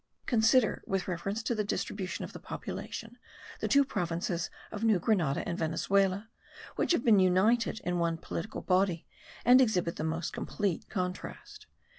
Considered with reference to the distribution of the population, the two provinces of New Grenada and Venezuela, which have been united in one political body, exhibit the most complete contrast.